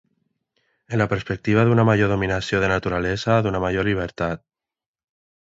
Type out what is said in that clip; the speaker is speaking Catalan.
En la perspectiva d'una major dominació de la naturalesa, d'una major llibertat.